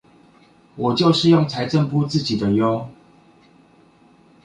我就是用財政部自己的唷